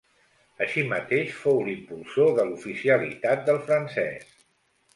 Així mateix fou l'impulsor de l'oficialitat del francès.